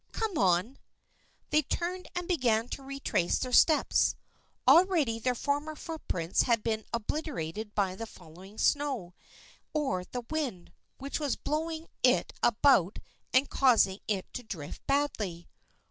Come on." They turned and began to retrace their steps Already their former footprints had been oblit erated by the falling snow, or the wind, which was blowing it about and causing it to drift badly.